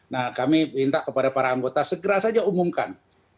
nah kami minta kepada para anggota segera saja umumkan